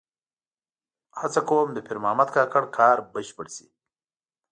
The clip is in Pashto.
هڅه کوم د پیر محمد کاکړ کار بشپړ شي.